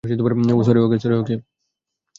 Sorry - ওকে।